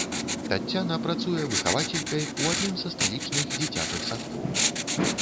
Таццяна працуе выхавацелькай ў адным са сталічных дзіцячых садкоў.